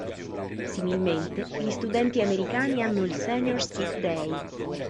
Similmente, gli studenti americani hanno il Senior Skip Day.